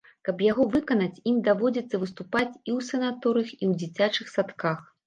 Каб яго выканаць, ім даводзіцца выступаць і ў санаторыях, і ў дзіцячых садках.